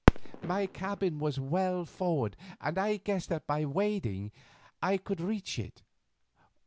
My cabin was well forward, and I guessed that by wading I could reach it.